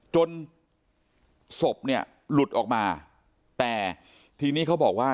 จนศพเนี่ยหลุดออกมาแต่ทีนี้เขาบอกว่า